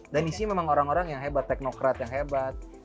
dan isinya memang orang orang yang hebat teknokrat yang hebat